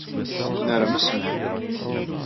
Nnermes Mhenni.